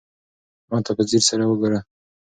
ما ته په ځير سره وگوره.